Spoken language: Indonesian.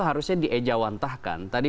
harusnya diejawantahkan tadi